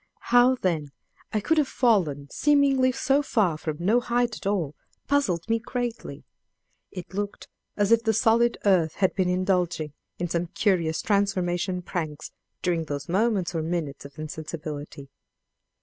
How, then, I could have fallen seemingly so far from no height at all, puzzled me greatly: it looked as if the solid earth had been indulging in some curious transformation pranks during those moments or minutes of insensibility.